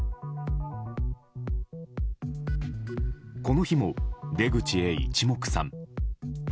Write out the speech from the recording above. この日も出口へ、一目散。